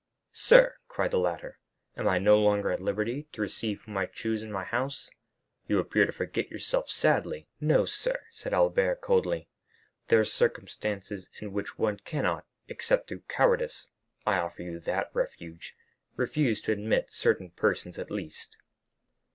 "Sir," cried the latter, "am I no longer at liberty to receive whom I choose in my house? You appear to forget yourself sadly." "No, sir," said Albert, coldly; "there are circumstances in which one cannot, except through cowardice,—I offer you that refuge,—refuse to admit certain persons at least."